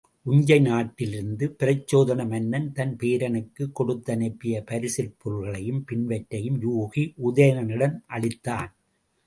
உஞ்சை நாட்டிலிருந்து பிரச்சோதன மன்னன் தன் பேரனுக்குக் கொடுத்தனுப்பிய பரிசிற் பொருள்களையும் பிறவற்றையும் யூகி உதயணனிடம் அளித்தான்.